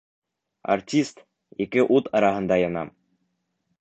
Артист ике ут араһында яна.